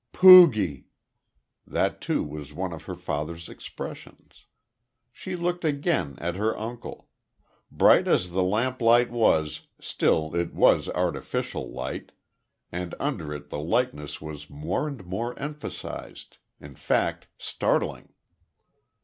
"Poogie." That too was one of her father's expressions. She looked again at her uncle. Bright as the lamplight was, still it was artificial light, and under it the likenesss was more and more emphasised, in fact, startling.